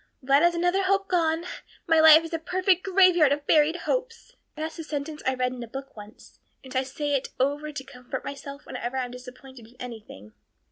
"Well, that is another hope gone. 'My life is a perfect graveyard of buried hopes.' That's a sentence I read in a book once, and I say it over to comfort myself whenever I'm disappointed in anything."